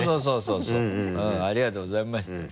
そうそうありがとうございました。